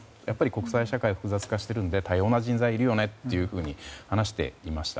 国際社会が複雑化しているので多様な人材がいるよねというふうに話していました。